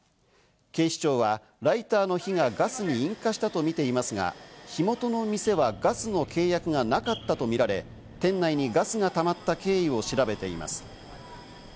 警視庁はライターの火がガスに引火したとみていますが、火元の店はガスの契約がなかったとみられ、店内にガスがたまった経緯を調べています。